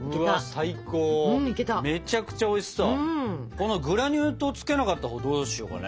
このグラニュー糖つけなかったほうどうしようかね？